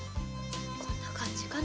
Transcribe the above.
こんな感じかな。